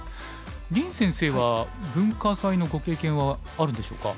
林先生は文化祭のご経験はあるんでしょうか？